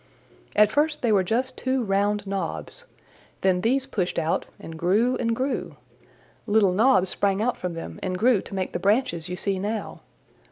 At first they were just two round knobs. Then these pushed out and grew and grew. Little knobs sprang out from them and grew to make the branches you see now.